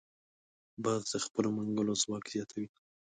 باز د خپلو منګولو ځواک زیاتوي